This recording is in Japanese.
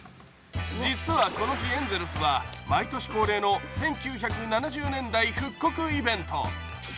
実はこの日、エンゼルスは毎年恒例の１９７０年代復刻イベント